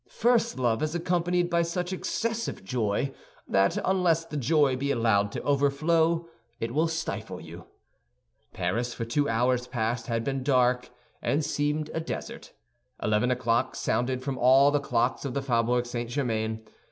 First love is accompanied by such excessive joy that unless the joy be allowed to overflow, it will stifle you. Paris for two hours past had been dark, and seemed a desert. Eleven o'clock sounded from all the clocks of the Faubourg St. Germain.